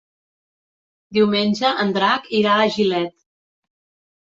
Diumenge en Drac irà a Gilet.